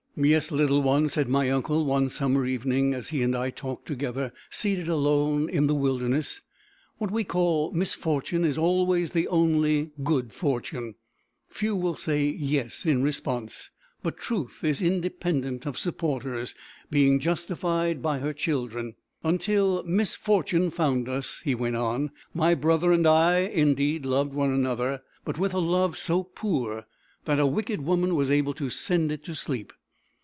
"Yes, little one," said my uncle, one summer evening, as he and I talked together, seated alone in the wilderness, "what we call misfortune is always the only good fortune. Few will say yes in response, but Truth is independent of supporters, being justified by her children. "Until misfortune found us," he went on, "my brother and I had indeed loved one another, but with a love so poor that a wicked woman was able to send it to sleep.